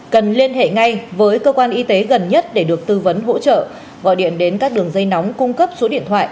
cần liên hệ ngay với cơ quan y tế gần nhất để được tư vấn hỗ trợ gọi điện đến các đường dây nóng cung cấp số điện thoại